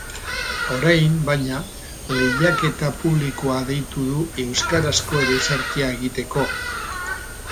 Orain, baina, lehiaketa publikoa deitu du euskarazko ereserkia egiteko.